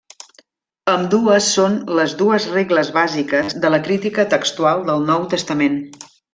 Ambdues són les dues regles bàsiques de la crítica textual del Nou Testament.